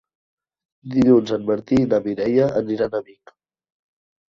Dilluns en Martí i na Mireia aniran a Vic.